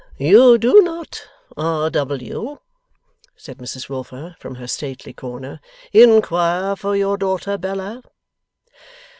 'You do not, R. W.' said Mrs Wilfer from her stately corner, 'inquire for your daughter Bella.